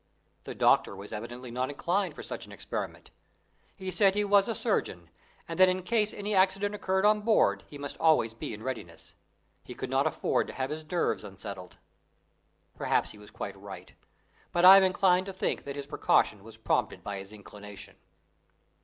The doctor was evidently not inclined for such an experiment. He said he was a surgeon, and that in case any accident occurred on board he must be always in readiness. He could not afford to have his nerves unsettled. Perhaps he was quite right, but I am inclined to think that his precaution was prompted by his inclination.